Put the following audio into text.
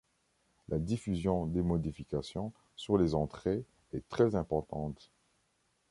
La diffusion des modifications sur les entrées est très importante.